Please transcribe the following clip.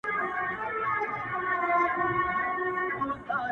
نه مي د چا پر زنكون خـوب كـــړيــــــــدى _